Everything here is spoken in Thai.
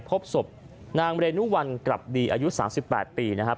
พบศพนางเรนุวัลกลับดีอายุ๓๘ปีนะครับ